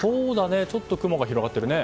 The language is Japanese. ちょっと雲が広がってるね。